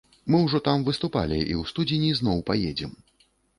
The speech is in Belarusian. Мы ўжо там выступалі, і ў студзені зноў паедзем.